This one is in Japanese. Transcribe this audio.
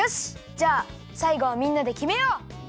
じゃあさいごはみんなできめよう！